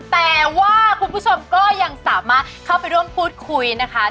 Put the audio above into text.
แต่ว่าคุณผู้ชมก็ยังสามารถเข้าไปร่วมพูดคุยนะคะ